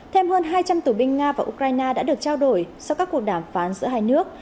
thêm hơn hai trăm linh tù binh nga và ukraine đã được trao đổi sau các cuộc đàm phán giữa hai nước